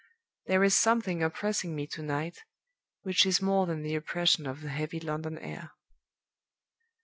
There is something oppressing me to night, which is more than the oppression of the heavy London air."